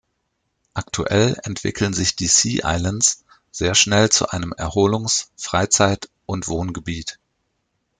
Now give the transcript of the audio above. Aktuell entwickeln sich die Sea Islands sehr schnell zu einem Erholungs-, Freizeit- und Wohngebiet.